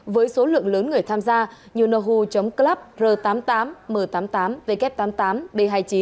với số lượng lớn người tham gia như nohoo club r tám mươi tám m tám mươi tám w tám mươi tám b hai mươi chín